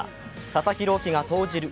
佐々木朗希が投じる